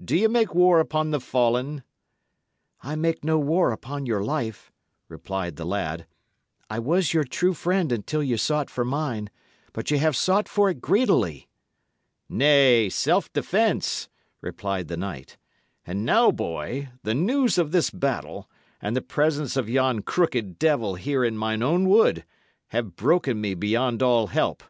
Do ye make war upon the fallen?" "I made no war upon your life," replied the lad; "I was your true friend until ye sought for mine; but ye have sought for it greedily." "Nay self defence," replied the knight. "And now, boy, the news of this battle, and the presence of yon crooked devil here in mine own wood, have broken me beyond all help.